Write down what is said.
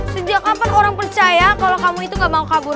sejak kapan orang percaya kalau kamu itu gak mau kabur